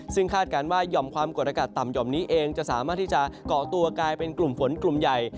ซึ่งคาดการณ์ว่าหย่อมความกดอากาศต่ำห่อมนี้เองจะสามารถที่จะเกาะตัวกลายเป็นกลุ่มฝนกลุ่มใหญ่